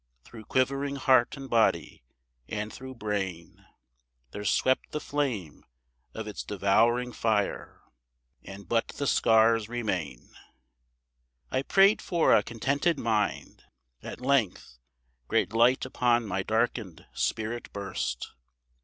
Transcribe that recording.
Through quivering heart and body, and through brain There swept the flame of its devouring fire, And but the scars remain. I prayed for a contented mind. At length Great light upon my darkened spirit burst.